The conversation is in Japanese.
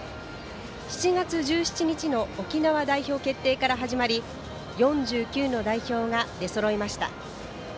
７月１７日の沖縄代表決定から始まり４９の代表が出そろいました。